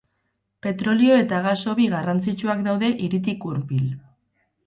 Petrolio eta gas-hobi garrantzitsuak daude hiritik hurbil.